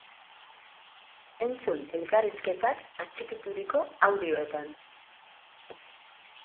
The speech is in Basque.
Entzun elkarrizketak atxikituriko audioetan!